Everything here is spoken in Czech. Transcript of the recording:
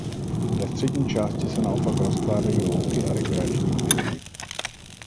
Ve střední části se naopak rozkládají louky a rekreační objekty.